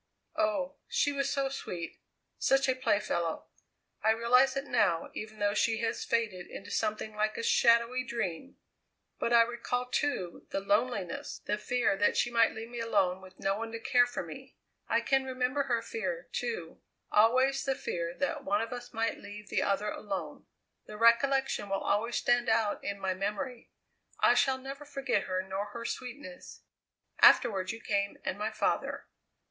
Oh! she was so sweet; such a playfellow. I realize it now even though she has faded into something like a shadowy dream. But I recall, too, the loneliness; the fear that she might leave me alone with no one to care for me. I can remember her fear, too; always the fear that one of us might leave the other alone. The recollection will always stand out in my memory. I shall never forget her nor her sweetness. Afterward you came and my father.